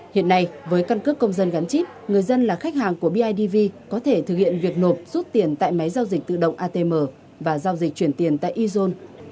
hiện nay với căn cước công dân gắn chip người dân là khách hàng của bidv có thể thực hiện việc nộp rút tiền tại máy giao dịch tự động atm và giao dịch chuyển tiền tại izon